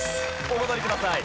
お戻りください。